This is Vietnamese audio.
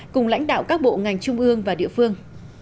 cùng lãnh đạo các bộ ngành trung ương và địa phương